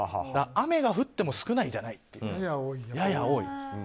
雨が降っても少ないじゃなくてやや多い。